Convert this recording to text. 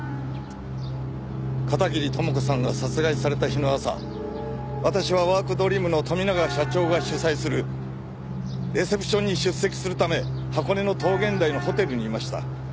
片桐朋子さんが殺害された日の朝私はワークドリームの富永社長が主催するレセプションに出席するため箱根の桃源台のホテルにいました。